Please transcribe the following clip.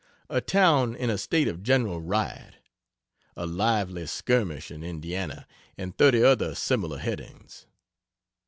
A Town in a State of General Riot A Lively Skirmish in Indiana (and thirty other similar headings.)